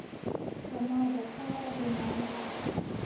زما دپاره بی معنا ده